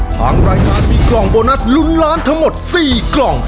ทางรายการมีกล่องโบนัสลุ้นล้านทั้งหมด๔กล่อง